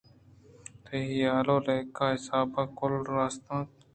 تئی حیال ءُ لیکہ ءِ حساب ءَ کُل راست اِتنت